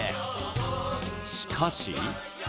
しかし。